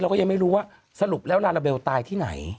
ก็ยังไม่รู้ว่าสรุปแล้วลาลาเบลตายที่ไหน